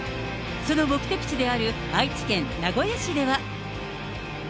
その目的地である愛知県名古屋市では。